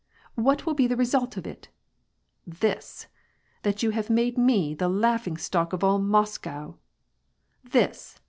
What will be the result of it ? This !— that you have made me the laughing stock of all Moscow ; this